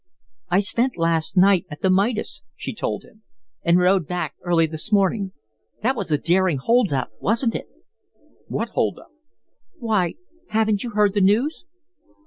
"I spent last night at the Midas," she told him, "and rode back early this morning. That was a daring hold up, wasn't it?" "What hold up?" "Why, haven't you heard the news?"